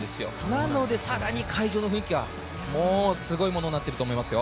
なので更に会場の雰囲気はすごいものになっていると思いますよ。